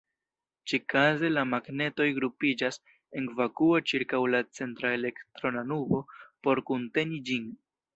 Ĉikaze, la magnetoj grupiĝas en vakuo ĉirkaŭ la centra elektrona nubo, por kunteni ĝin.